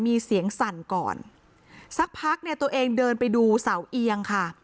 มีเสียงสั่นก่อนสักพักเนี่ยตัวเองเดินไปดูเสาเอียงค่ะ